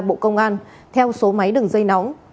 bộ công an theo số máy đường dây nóng